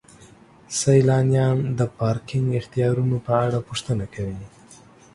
سیلانیان د پارکینګ اختیارونو په اړه پوښتنه کوي.